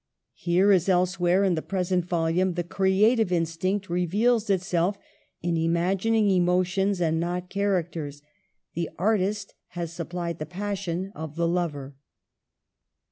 Here, as elsewhere in the present volume, the creative instinct re veals itself in imagining emotions and not char acters. The artist has supplied the passion of the lover.